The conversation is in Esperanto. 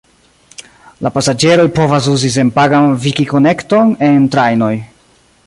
La pasaĝeroj povas uzi senpagan vifi-konekton en trajnoj.